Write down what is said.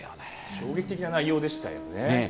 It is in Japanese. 衝撃的な内容でしたよね。